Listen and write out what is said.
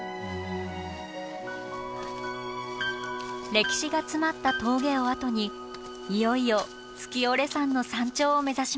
歴史が詰まった峠を後にいよいよ月居山の山頂を目指しましょう。